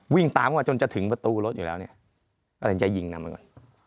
วิ่งตามเข้ามาจนจะถึงประตูรถอยู่แล้วเนี่ยตัดสินใจยิงนำมาก่อน